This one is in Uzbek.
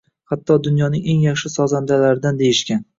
hatto dunyoning eng yaxshi sozandalaridan deyishgan.